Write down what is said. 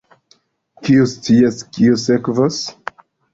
Kiu scias kio sekvos?